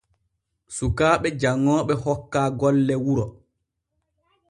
Sukaaɓe janŋooɓe hokkaa golle wuro.